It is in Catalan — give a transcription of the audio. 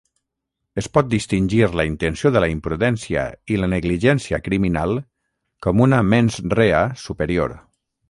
Es pot distingir la intenció de la imprudència i la negligència criminal com una "mens rea" superior.